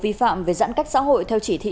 vi phạm về giãn cách xã hội theo chỉ thị